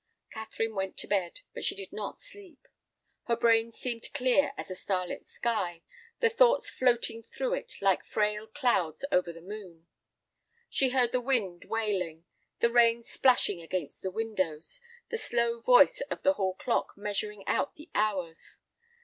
Catherine went to bed, but she did not sleep. Her brain seemed clear as a starlit sky, the thoughts floating through it like frail clouds over the moon. She heard the wind wailing, the rain splashing against the windows, the slow voice of the hall clock measuring out the hours.